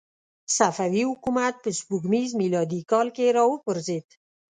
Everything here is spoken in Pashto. صفوي حکومت په سپوږمیز میلادي کال کې را وپرځېد.